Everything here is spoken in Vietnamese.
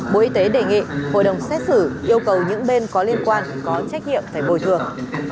bộ y tế đề nghị hội đồng xét xử yêu cầu những bên có liên quan có trách nhiệm phải bồi thường